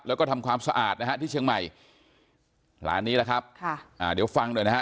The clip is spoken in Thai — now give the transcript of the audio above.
แล้วก็ทำความสะอาดนะฮะที่เชียงใหม่หร่านี้ล่ะครับเดี๋ยวฟังด้วยนะฮะ